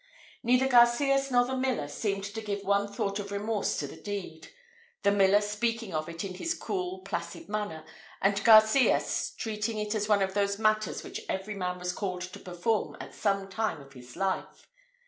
Neither Garcias nor the miller seemed to give one thought of remorse to the deed; the miller speaking of it in his cool, placid manner, and Garcias treating it as one of those matters which every man was called to perform at some time of his life.